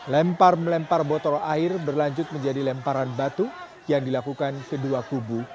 lempar melempar botol air berlanjut menjadi lemparan batu yang dilakukan kedua kubu